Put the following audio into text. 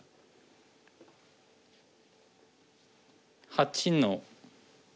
８の。